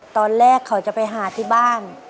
ตอนแรกเขาจะไปหาที่บ้าน